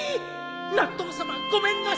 納豆さまごめんなさい！